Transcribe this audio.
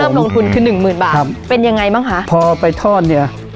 ลงทุนคือหนึ่งหมื่นบาทครับเป็นยังไงบ้างคะพอไปทอดเนี้ย